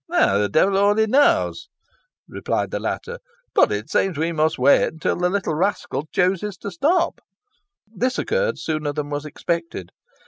"The devil only knows," replied the latter; "but it seems we must wait till the little rascal chooses to stop." This occurred sooner than was expected.